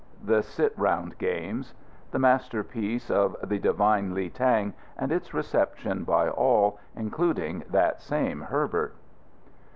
The sit round games. The masterpiece of the divine Li Tang, and its reception by all, including that same Herbert.